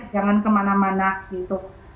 jangan kemana mana gitu